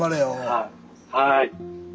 はい。